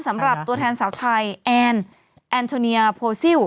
สำหรับตัวแทนสาวไทยแอนแอนโทเนียโพซิล